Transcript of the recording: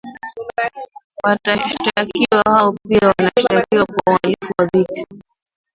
Washtakiwa hao pia wanashtakiwa kwa uhalifu wa vita